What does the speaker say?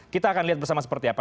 kita akan lihat bersama seperti apa